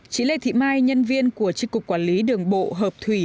chỉ lê thị mai nhân viên của chính cục quản lý đường bộ hợp thủy